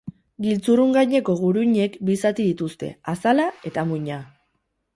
Giltzurrungaineko guruinek bi zati dituzte: azala eta muina.